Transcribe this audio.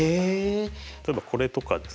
例えばこれとかです